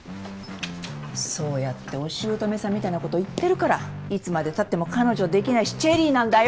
そうやっておしゅうとめさんみたいなこと言ってるからいつまでたっても彼女出来ないしチェリーなんだよ？